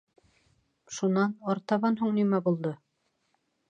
— Шунан, артабан һуң нимә булды?